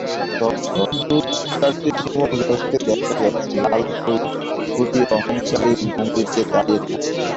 তখনো দু-চারটি শিমুলগাছকে দেখা গেছে লাল ফুল ফুটিয়ে অহংকারী ভঙ্গিতে দাঁড়িয়ে থাকতে।